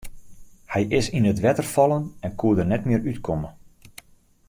Hy is yn it wetter fallen en koe der net mear út komme.